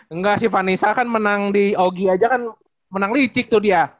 enggak sih vanessa kan menang di augie aja kan menang licik tuh dia